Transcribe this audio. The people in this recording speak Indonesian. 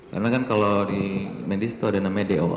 karena kalau kan di medisto ada namanya doa